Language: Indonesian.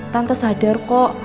tante sadar kok